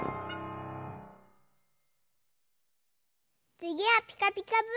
つぎは「ピカピカブ！」だよ。